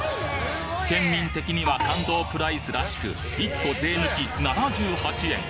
県民的には感動プライスらしく１個税抜き７８円